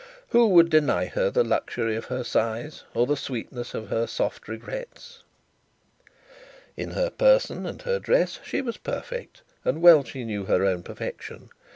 Who would deny her the luxury of her sighs, or the sweetness of her soft regrets! In her person and her dress she was perfect, and well she knew her own perfection.